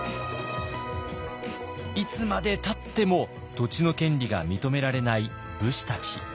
いつまでたっても土地の権利が認められない武士たち。